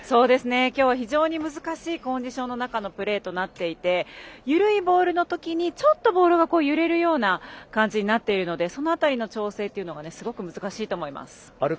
今日は非常に難しいコンディションの中のプレーとなっていて緩いボールの時にちょっとボールが揺れるような感じになっているのでその辺りの調整がすごく難しいと思います。